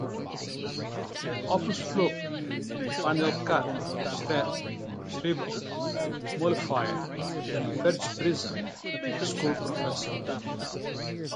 Opus Fluke, Flannelcat, Shred, Shrivell, Mulefire and Perch-Prism: School professors.